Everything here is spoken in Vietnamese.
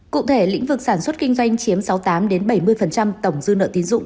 cụ thể lĩnh vực sản xuất kinh doanh chiếm sáu mươi tám bảy mươi tổng dư nợ tín dụng